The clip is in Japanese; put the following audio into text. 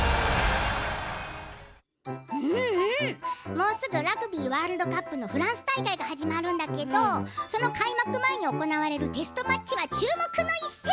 もうすぐラグビーワールドカップのフランス大会が始まるんだけどその開幕前に行われるテストマッチは注目の一戦。